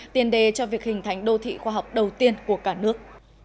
tiền đề cho việc hình thành đô thị khoa học đầu tiên của cả nước